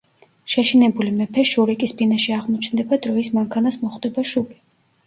შეშინებული მეფე შურიკის ბინაში აღმოჩნდება, დროის მანქანას მოხვდება შუბი.